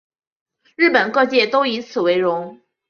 日本各界都以此为荣。